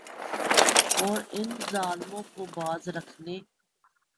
اور ان ظالموں کو باز رکھنے